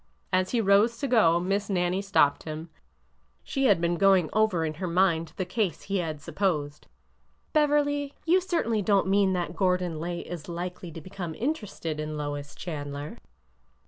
As he rose to go. Miss Nannie stopped him. She had been going over in her mind the case he had supposed. '' Beverly, you certainly don't mean that Gordon Lay is likely to become interested in Lois Chandler